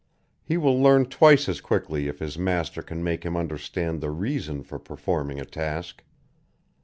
He will learn twice as quickly if his master can make him understand the reason for performing a task.